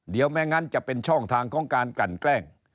เดี๋ยวไม่งั้นจะเป็นช่องทางของการกลั่นแกล้ง